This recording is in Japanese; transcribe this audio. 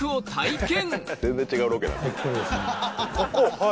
はい。